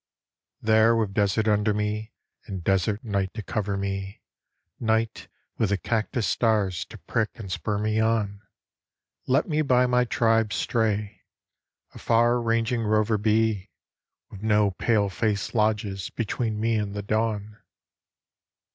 There with desert under me And desert night to cover me, Night, with the cactus stars To prick and spur me on, Let me by my tribe stray, A far ranging rover be. With no pale face lodges Between me and the dawn.